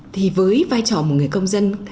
thì với vai trò một người công dân